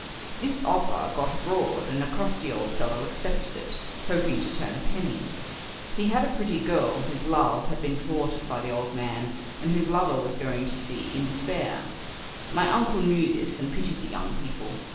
"This offer got abroad, and a crusty old fellow accepted it, hoping to turn a penny. He had a pretty girl, whose love had been thwarted by the old man, and whose lover was going to sea in despair. My uncle knew this and pitied the young people.